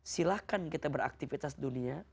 silahkan kita beraktivitas dunia